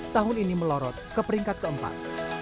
tahun ini melorot ke peringkat keempat